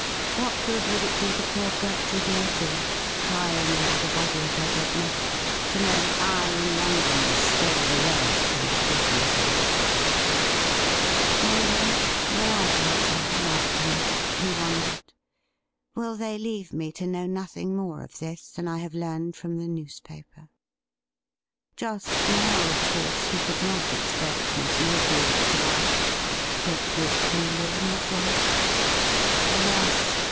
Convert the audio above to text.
What good would it do to poor Gertrude Morefield, crying over the body of her dead mother, to know that I in London stayed away from a business Imicheon ? Will they, will either of them, write to me ?' he wondered. ' Will they leave me to know nothing more of this than I have learned from the news paper ?' Just now, of course, he could not expect Miss Morefield to write ; but would Clelia not write ? Alas